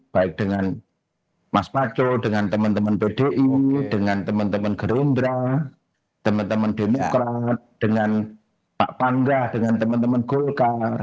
baik dengan mas pacul dengan teman teman pdi dengan teman teman gerindra teman teman demokrat dengan pak pandra dengan teman teman golkar